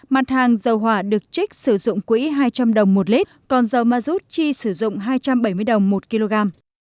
mặt hàng dầu hỏa được trích sử dụng quỹ hai trăm linh đồng một lít còn dầu ma rút chi sử dụng hai trăm bảy mươi đồng một kg